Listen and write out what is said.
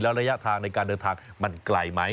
ระยะทางในการเดินทางมันไกลไหม